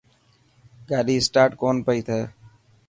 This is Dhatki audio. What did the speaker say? گاڏي اسٽاٽ ڪون پئي ٿي.